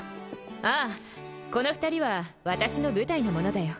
ああこの二人は私の部隊の者だよ